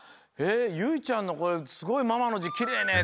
「ゆいちゃんのすごいママのじきれいね」